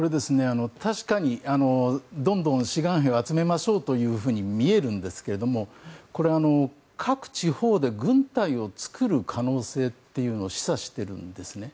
確かにどんどん志願兵を集めましょうというふうに見えるんですけれどもこれは各地方で軍隊を作る可能性というのを示唆してるんですね。